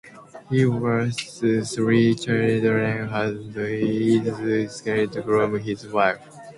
He has three children, and is separated from his wife.